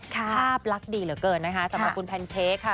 ภาพลักษณ์ดีเหลือเกินนะคะสำหรับคุณแพนเค้กค่ะ